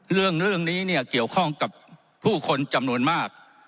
เรื่องนี้เนี่ยเกี่ยวข้องกับผู้คนจำนวนมาก